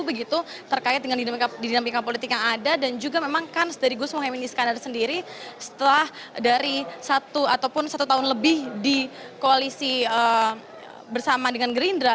begitu terkait dengan dinamika politik yang ada dan juga memang kans dari gus mohaimin iskandar sendiri setelah dari satu ataupun satu tahun lebih di koalisi bersama dengan gerindra